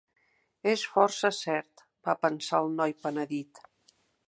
És força cert, va pensar el noi penedit.